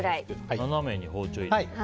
斜めに包丁を入れるんだ。